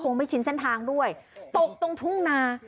อ๋อโค้งไปชิ้นเส้นทางด้วยตกตรงทุ่งนา